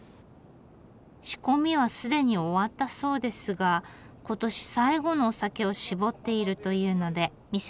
仕込みはすでに終わったそうですが今年最後のお酒を搾っているというので見せてもらいます。